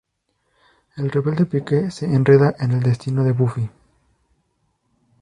El rebelde, Pike se enreda en el destino de Buffy.